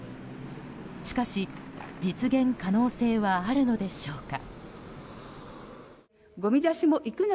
しかし、実現可能性はあるのでしょうか。